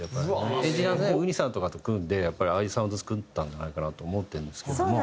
エンジニアの雨迩さんとかと組んでやっぱりああいうサウンドを作ったんじゃないかなと思ってるんですけども。